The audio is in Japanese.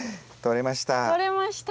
とれました。